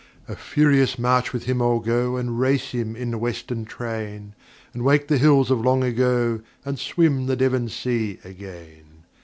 A furious march with him I'll go And race him in the Western train, And wake the hiUs I used to know And swim the Devon sea again.